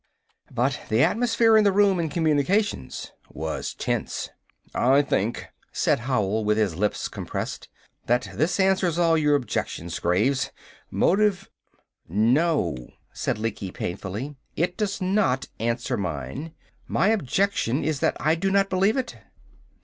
But the atmosphere in the room in Communications was tense. "I think," said Howell, with his lips compressed, "that this answers all your objections, Graves. Motive " "No," said Lecky painfully. "It does not answer mine. My objection is that I do not believe it."